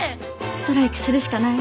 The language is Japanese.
ストライキするしかない。